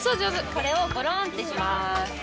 これをゴロンってします。